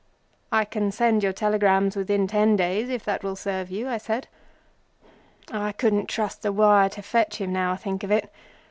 "I can send your telegram within ten days if that will serve you," I said. "I couldn't trust the wire to fetch him now I think of it.